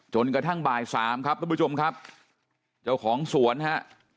จนกระทั่งบ่ายสามครับทุกผู้ชมครับเจ้าของสวนฮะ